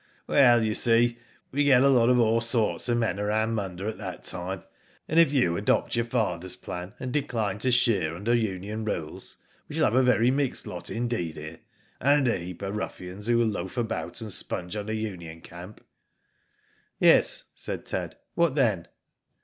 " Well, you see we get a lot of all sorts of men around Munda at that time, and if you adopt your father's plan and decline to shear under union rules, we shall have a very mixed lot indeed here, and a heap of ruffians who will loaf about and sponge on the union camp." '»Yes," said Ted. "What then?"